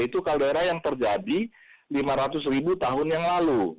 itu kaldera yang terjadi lima ratus ribu tahun yang lalu